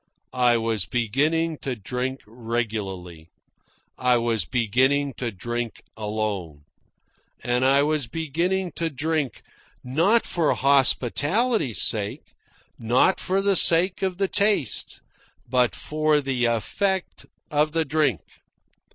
I was beginning to drink regularly. I was beginning to drink alone. And I was beginning to drink, not for hospitality's sake, not for the sake of the taste, but for the effect of the drink.